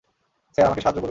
Sir, আমাকে সাহায্য করুন।